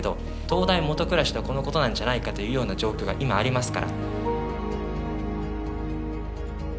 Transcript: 灯台下暗しというのはこのことなんじゃないかというような状況が今ありますから。